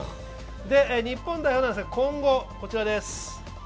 日本代表ですが今後、こちらです。